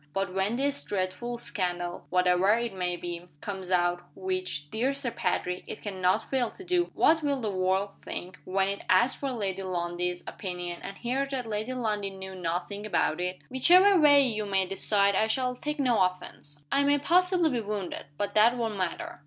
But when this dreadful scandal (whatever it may be) comes out which, dear Sir Patrick, it can not fail to do what will the world think, when it asks for Lady Lundie's, opinion, and hears that Lady Lundie knew nothing about it? Whichever way you may decide I shall take no offense. I may possibly be wounded but that won't matter.